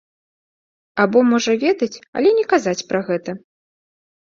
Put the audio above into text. Або можа ведаць, але не казаць пра гэта.